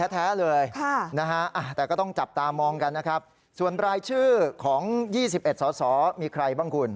แตะก็จะต้องจับตามองกันนะครับส่วนรายชื่อของ๒๑สตมีใครบ้างคุณ